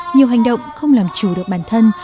nhiều hành động không làm chủ được bản thân